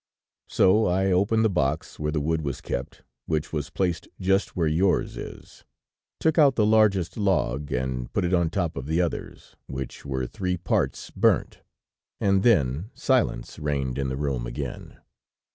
"So I opened the box where the wood was kept, which was placed just where yours is, took out the largest log, and put it on the top of the others, which were three parts burnt, and then silence reigned in the room again.